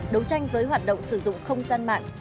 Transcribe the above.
đấu tranh với hoạt động sử dụng không gian mạng